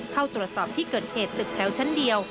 เข้าตรวจสอบที่เกิดเหตุตึกแถวชั้นเดียว